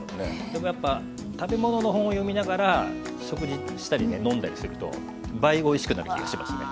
でもやっぱ食べ物の本を読みながら食事したりね飲んだりすると倍おいしくなる気がしますね。